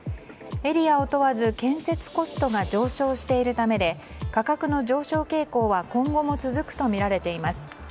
エリアを問わず建設コストが上昇しているためで価格の上昇傾向は今後も続くとみられています。